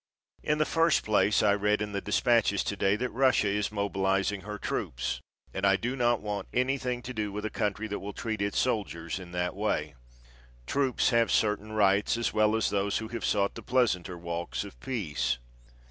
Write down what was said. In the first place I read in the dispatches to day that Russia is mobilizing her troops, and I do not want anything to do with a country that will treat its soldiers in that way. Troops have certain rights as well as those who have sought the pleasanter walks of peace.